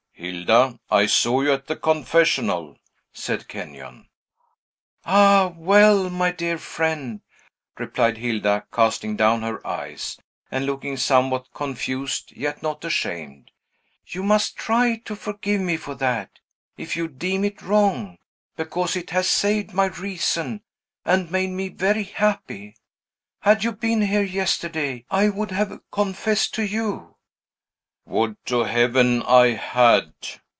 "Hilda, I saw you at the confessional!" said Kenyon. "Ah well, my dear friend," replied Hilda, casting down her eyes, and looking somewhat confused, yet not ashamed, "you must try to forgive me for that, if you deem it wrong, because it has saved my reason, and made me very happy. Had you been here yesterday, I would have confessed to you." "Would to Heaven I had!"